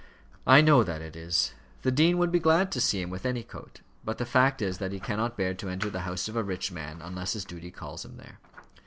"I know that it is. The dean would be glad to see him with any coat. But the fact is that he cannot bear to enter the house of a rich man unless his duty calls him there."